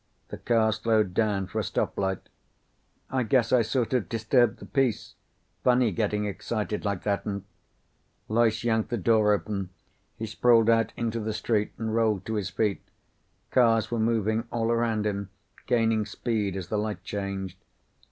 The car slowed down for a stoplight. "I guess I sort of disturbed the peace. Funny, getting excited like that and " Loyce yanked the door open. He sprawled out into the street and rolled to his feet. Cars were moving all around him, gaining speed as the light changed.